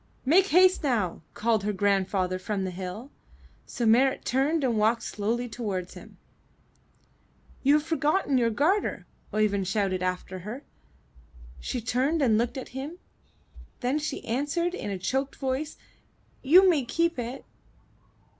''Make haste now!" called her grandfather from the hill, so Marit turned and walked slowly toward him. '*You have forgotten your garter, Oeyvind shouted after her. She turned and looked at him, then she answered in a choked voice, ''You may keep it.